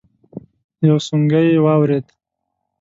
يو سونګی يې واورېد.